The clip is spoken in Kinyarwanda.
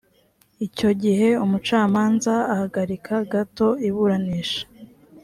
icyo gihe umucamanza ahagarika gato iburanisha